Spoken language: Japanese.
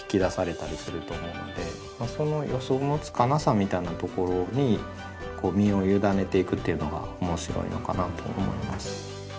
その予想のつかなさみたいなところに身を委ねていくっていうのが面白いのかなと思います。